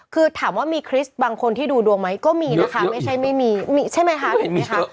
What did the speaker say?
คือถามว่ามีคริสต์บางคนที่ดูดวงไหมก็มีนะคะไม่ใช่ไม่มีใช่ไหมคะถูกไหมคะ